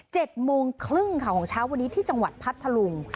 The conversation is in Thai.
โมงครึ่งค่ะของเช้าวันนี้ที่จังหวัดพัทธลุง